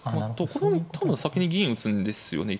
これ多分先に銀打つんですよね